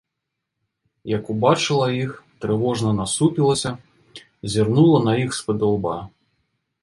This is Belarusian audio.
Як убачыла іх, трывожна насупілася, зірнула на іх спадылба.